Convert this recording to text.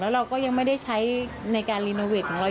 เราก็ยังไม่ได้ใช้ในการรีโนเวทของเรา